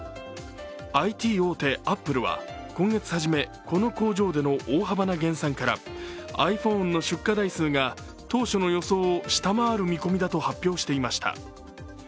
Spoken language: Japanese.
ＩＴ大手アップルは今月初めこの工場での大幅な減産からｉＰｈｏｎｅの出荷台数が当初の予想を下回る見込みだと発表していました。